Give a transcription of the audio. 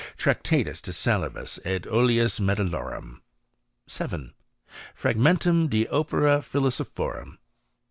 Tractatus de Salibus et Oleis Metallorum. 7. Fragmentum de Opere Philosophorum.